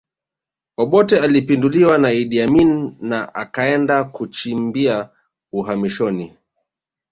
Obote alipinduliwa na Idi Amin na akaenda kujichimbia uhamishoni